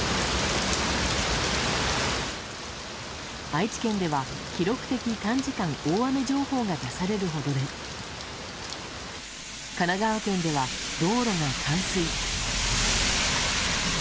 愛知県では記録的短時間大雨情報が出されるほどで神奈川県では、道路が冠水。